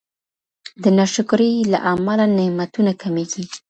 د ناشکرۍ له امله نعمتونه کمیږي.